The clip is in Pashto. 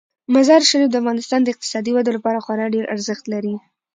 مزارشریف د افغانستان د اقتصادي ودې لپاره خورا ډیر ارزښت لري.